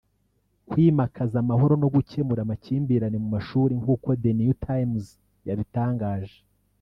kwimakaza amahoro no gukemura amakimbirane mu mashuri nk’uko The New Times yabitangaje